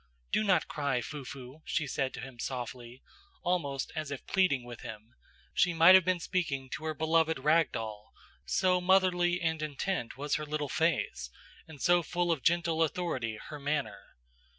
"'Do not cry, Fufu,' she said to him softly, almost as if pleading with him. She might have been speaking to her beloved rag doll, so motherly and intent was her little face, and so full of gentle authority, her manner.